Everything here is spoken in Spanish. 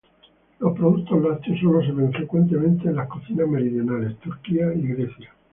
Los productos lácteos sólo se ven frecuentemente en las cocinas meridionales: Turquía y Grecia.